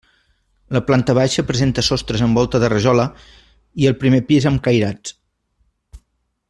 La planta baixa presenta sostres amb volta de rajola i el primer pis amb cairats.